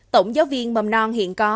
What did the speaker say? tổng giáo viên mầm non hiện có